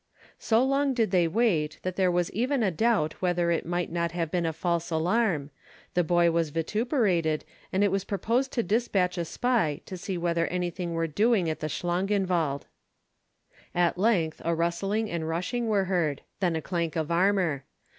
So long did they wait that there was even a doubt whether it might not have been a false alarm; the boy was vituperated, and it was proposed to despatch a spy to see whether anything were doing at Schlangenwald. At length a rustling and rushing were heard; then a clank of armour.